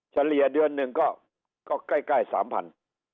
เฉลี่ยเดือนหนึ่งก็ใกล้๓๐๐บาท